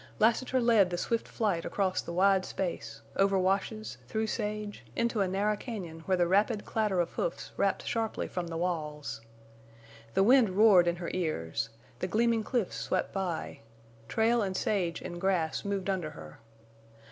Lassiter led the swift flight across the wide space, over washes, through sage, into a narrow cañon where the rapid clatter of hoofs rapped sharply from the walls. The wind roared in her ears; the gleaming cliffs swept by; trail and sage and grass moved under her.